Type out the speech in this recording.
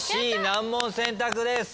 Ｃ難問選択です。